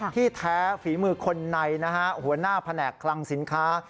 ที่แท้ฝีมือคนในนะฮะหัวหน้าแผนกคลังสินค้า